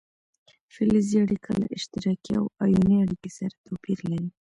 فلزي اړیکه له اشتراکي او ایوني اړیکې سره توپیر لري.